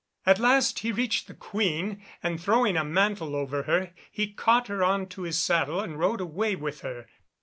At last he reached the Queen, and, throwing a mantle over her, he caught her on to his saddle and rode away with her.